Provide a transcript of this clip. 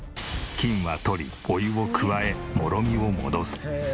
菌は取りお湯を加えもろみを戻す。